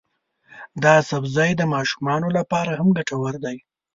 دا سبزی د ماشومانو لپاره هم ګټور دی.